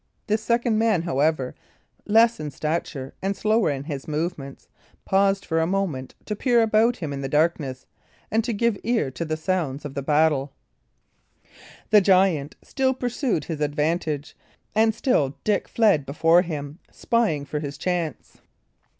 This second man, however, less in stature and slower in his movements, paused for a moment to peer about him in the darkness, and to give ear to the sounds of the battle. The giant still pursued his advantage, and still Dick fled before him, spying for his chance.